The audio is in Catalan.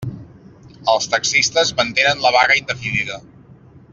Els taxistes mantenen la vaga indefinida.